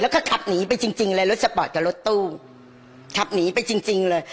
แล้วก็ขับหนีไปจริงจริงเลยรถสปอร์ตกับรถตู้ขับหนีไปจริงจริงเลย